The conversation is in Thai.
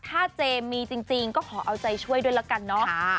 ถ้าเจมส์มีจริงก็ขอเอาใจช่วยด้วยละกันเนาะ